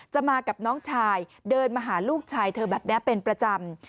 มากับน้องชายเดินมาหาลูกชายเธอแบบนี้เป็นประจำ